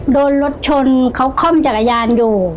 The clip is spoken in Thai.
โดนรถชนเขาค่อมจักรยานอยู่